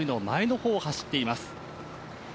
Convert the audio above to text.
前の方を走っています。